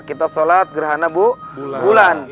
kita sholat gerhana bulan